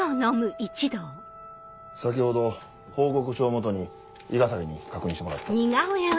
先ほど報告書を基に伊賀崎に確認してもらった。